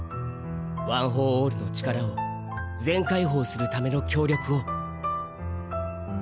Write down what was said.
ワン・フォー・オールの力を全解放する為の協力を。